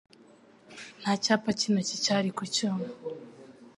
Nta cyapa cy'intoki cyari ku cyuma